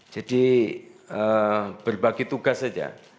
jadi berbagi tugas saja